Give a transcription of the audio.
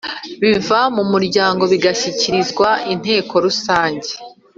Biva m’umuryango bigashyikirizwa Inteko Rusange